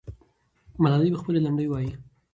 ملالۍ به خپلې لنډۍ وایي.